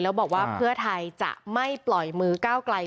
แล้วบอกว่าเพื่อไทยจะไม่ปล่อยมือก้าวไกล